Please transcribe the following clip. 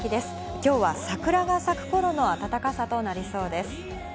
今日は桜が咲く頃の暖かさとなりそうです。